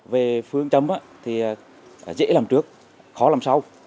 về phương châm thì dễ làm trước khó làm sau